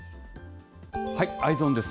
Ｅｙｅｓｏｎです。